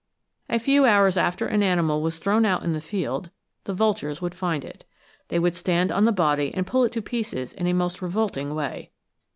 A few hours after an animal was thrown out in the field the vultures would find it. They would stand on the body and pull it to pieces in the most revolting way.